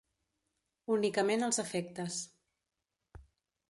Únicament als efectes.